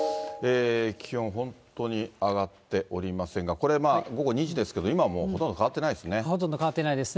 気温、本当に上がっておりませんが、これ午後２時ですけど、今、ほとんど変わってないですね。